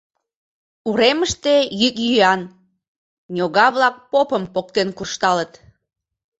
Уремыште йӱк-йӱан — ньога-влак «попым» поктен куржталыт.